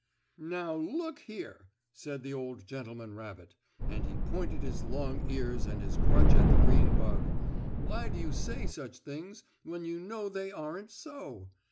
"Now look here!" said the old gentleman rabbit, and he pointed his long ears and his crutch at the green bug, "why do you say such things when you know they aren't so?